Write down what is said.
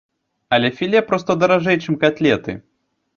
Але філе проста даражэй, чым катлеты.